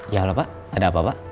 ya kalau pak ada apa pak